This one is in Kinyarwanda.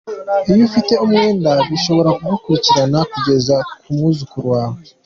Iyo ufite umwenda, bishobora kugukurikirana kugeza ku mwuzukuru wawe.